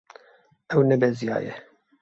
Ew nebeziyaye.